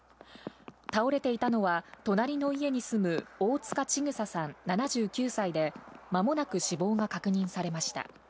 倒れていたのは隣の家に住む大塚千種さん７９歳で間もなく死亡が確認されました。